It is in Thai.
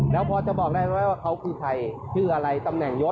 แล้วพอจะบอกได้ไหมว่าเขาคือใครชื่ออะไรตำแหน่งยก